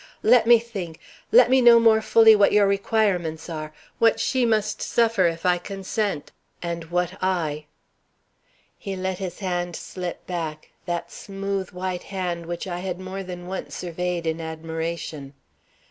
"Let me think; let me know more fully what your requirements are what she must suffer if I consent and what I." He let his hand slip back, that smooth white hand which I had more than once surveyed in admiration.